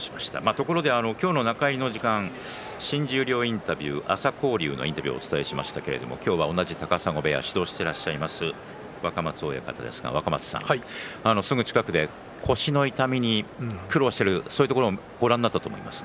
ところで今日の中入りの時間新十両インタビュー朝紅龍のインタビューをお伝えしましたけれども今日は同じ高砂部屋で指導していらっしゃいます若松親方ですがすぐ近くで腰の痛みに苦労している、そういうところをご覧になったと思います。